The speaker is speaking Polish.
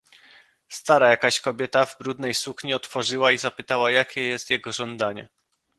"Stara jakaś kobieta w brudnej sukni otworzyła i zapytała, jakie jest jego żądanie."